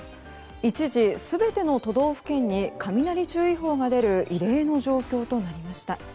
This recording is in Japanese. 一時、全ての都道府県に雷注意報が出る異例の状況となりました。